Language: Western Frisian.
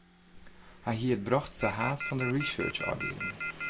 Hy hie it brocht ta haad fan in researchôfdieling.